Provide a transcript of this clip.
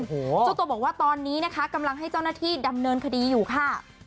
เจ้าตัวบอกว่าตอนนี้นะคะกำลังให้เจ้าหน้าที่ดำเนินคดีอยู่ค่ะ